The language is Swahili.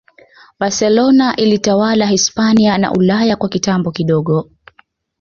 Barcelona ilitawala Hispania na Ulaya kwa kitambo kidogo